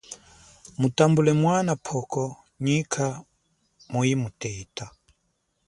Mutambule mwana pwoko, nyikha muyimuteta.